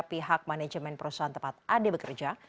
pihak manajemen perusahaan tempat ade bekerja